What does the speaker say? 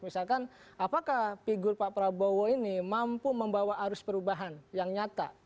misalkan apakah figur pak prabowo ini mampu membawa arus perubahan yang nyata